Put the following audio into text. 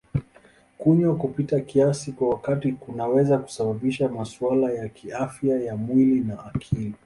Kunywa kupita kiasi kwa wakati kunaweza kusababisha masuala ya kiafya ya mwili na akili.